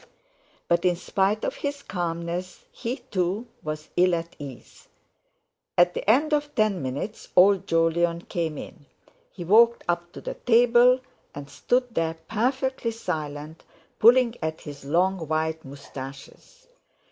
But in spite of his calmness, he too was ill at ease. At the end of ten minutes old Jolyon came in. He walked up to the table, and stood there perfectly silent pulling at his long white moustaches.